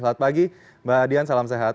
selamat pagi mbak adian salam sehat